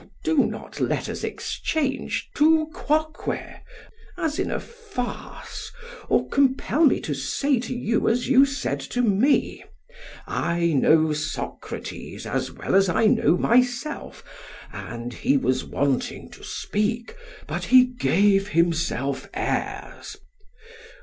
Do not let us exchange 'tu quoque' as in a farce, or compel me to say to you as you said to me, 'I know Socrates as well as I know myself, and he was wanting to speak, but he gave himself airs.'